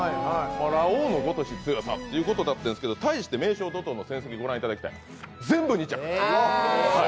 ラオウのごとしの強さということだったんですけど対してメイショウドトウの成績御覧いただきたい、全部２着。